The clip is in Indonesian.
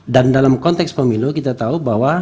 dan dalam konteks pemilu kita tahu bahwa